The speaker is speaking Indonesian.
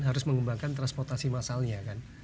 harus mengembangkan transportasi massalnya kan